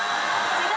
違う？